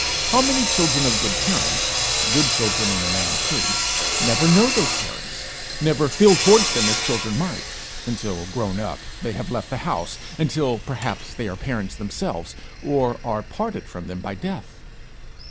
How many children of good parents good children in the main too never know those parents, never feel towards them as children might, until, grown up, they have left the house until, perhaps, they are parents themselves, or are parted from them by death!